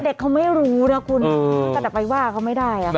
เหล็กเขาไม่รู้นะคุณแต่ไปว่าเขาไม่ได้อะค่ะ